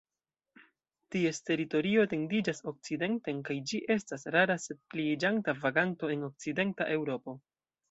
Ties teritorio etendiĝas okcidenten, kaj ĝi estas rara sed pliiĝanta vaganto en okcidenta Eŭropo.